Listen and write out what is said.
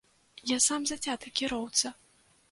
Я сам зацяты кіроўца.